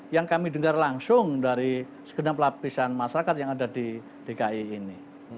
yang kami dengar langsung dari segenap lapisan masyarakat yang ada di dki ini